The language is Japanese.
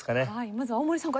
まずは大森さん